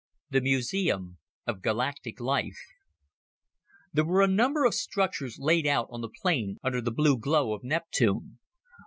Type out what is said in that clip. The Museum of Galactic Life There were a number of structures laid out on the plain under the blue glow of Neptune.